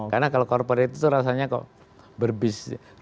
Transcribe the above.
karena kalau corporate itu rasanya kalau berbisnis